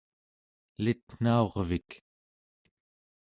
elitnaurvik